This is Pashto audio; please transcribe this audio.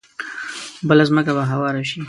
بله ځمکه به هواره شي.